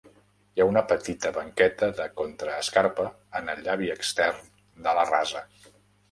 Hi ha una petita banqueta de contraescarpa en el llavi extern de la rasa.